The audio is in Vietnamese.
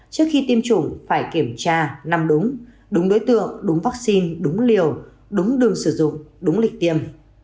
trước khi tiêm chủng phải kiểm tra nằm đúng đối tượng đúng vaccine đúng liều đúng đường sử dụng đúng lịch tiêm